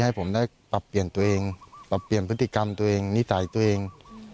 ให้ผมได้ปรับเปลี่ยนตัวเองปรับเปลี่ยนพฤติกรรมตัวเองนิสัยตัวเอง